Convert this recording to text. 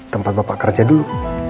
tempat bapak kerja dulu